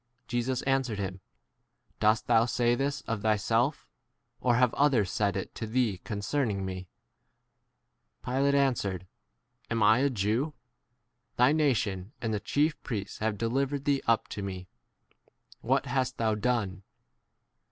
Jesus answered him, Dost thou ' say this of thyself, or have others said it to thee con 35 cerning me ? Pilate answered, Am I * a Jew ? Thy nation and the chief priests have delivered thee up to me : what hast thou 36 done